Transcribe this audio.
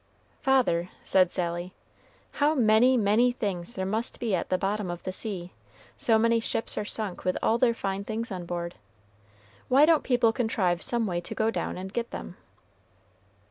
"Father," said Sally, "how many, many things there must be at the bottom of the sea, so many ships are sunk with all their fine things on board. Why don't people contrive some way to go down and get them?"